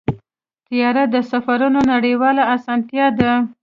طیاره د سفرونو نړیواله اسانتیا ده.